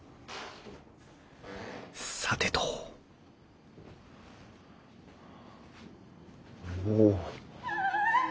さてとおお。